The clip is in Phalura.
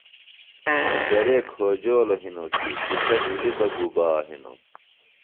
امزرے کھوجولوۡ ہنوۡ کیۡ ݜِݜہ جُھلیۡ بہ گُبا ہنوۡ